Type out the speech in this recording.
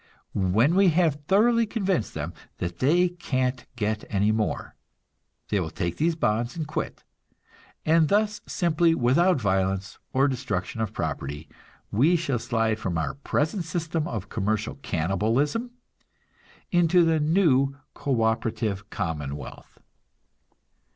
When we have thoroughly convinced them that they can't get any more, they will take these bonds and quit; and thus simply, without violence or destruction of property, we shall slide from our present system of commercial cannibalism into the new co operative commonwealth.